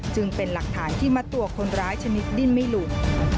จึงเป็นหลักฐานที่มัดตัวคนร้ายชนิดดิ้นไม่หลุด